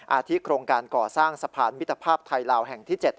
อาทิโครงการก่อสร้างสะพานมิตรภาพไทยลาวแห่งที่๗